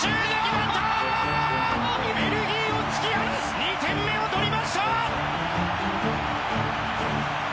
ベルギーを突き放す２点目を取りました！